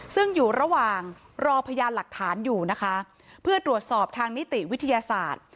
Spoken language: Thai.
ซึ่งอยู่ระหว่างรอพยานหลักฐานอยู่นะคะเพื่อตรวจสอบทางนิติวิทยาศาสตร์